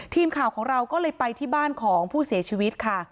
ทีมข่าวของเราก็เลยไปที่บ้านของผู้เสียชีวิตค่ะ